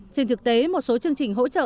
trên thực tế một số chương trình hỗ trợ